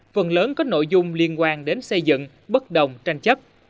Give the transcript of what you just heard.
phần lớn có nội dung liên quan đến xây dựng bất đồng tranh chấp